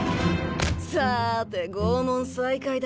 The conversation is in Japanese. さぁて拷問再開だ。